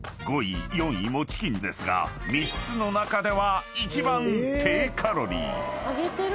［５位４位もチキンですが３つの中では一番低カロリー］